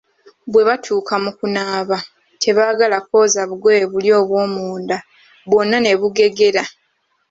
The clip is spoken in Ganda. Bwe batuuka mu kunaaba, tebaagala kwoza bugoye buli obw'omunda, bwonna ne bugegera,